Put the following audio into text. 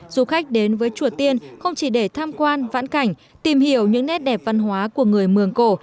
du khách đến với chùa tiên không chỉ để tham quan vãn cảnh tìm hiểu những nét đẹp văn hóa của người mường cổ